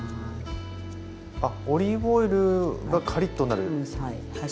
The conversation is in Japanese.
あっオリーブオイルがカリッとなるですか？